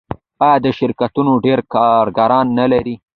آیا دا شرکتونه ډیر کارګران نلري؟